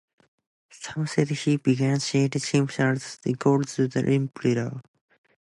Some said he began seeing himself as equal to the emperor.